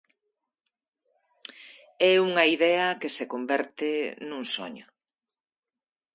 É unha idea que se converte nun soño.